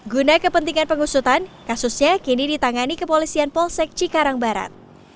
guna kepentingan pengusutan kasusnya kini ditangani kepolisian polsekci karangbarat